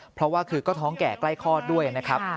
เพราะว่าคือก็ท้องแก่ใกล้คลอดด้วยนะครับ